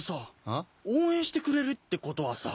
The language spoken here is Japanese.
あ？応援してくれるってことはさ。